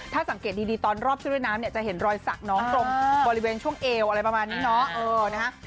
ถ้าสังเกตดีตอนรอบชุดว่ายน้ำเนี่ยจะเห็นรอยสักน้องตรงบริเวณช่วงเอวอะไรประมาณนี้เนาะ